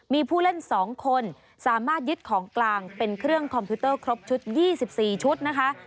มีผู้เล่น๒คนสามารถยึดของกลางเป็นเครื่องคอมพิวเตอร์ครบชุด๒๔ชุดนะคะ